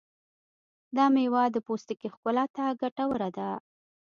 دا مېوه د پوستکي ښکلا ته ګټوره ده.